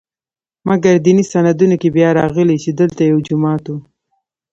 مګر دیني سندونو کې بیا راغلي چې دلته یو جومات و.